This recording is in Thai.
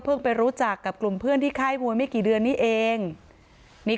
ไปรู้จักกับกลุ่มเพื่อนที่ค่ายมวยไม่กี่เดือนนี้เองนี่